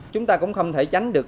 chúng ta cũng không thể tránh được